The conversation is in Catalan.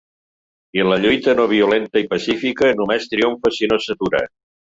I la lluita no violenta i pacífica només triomfa si no s’atura.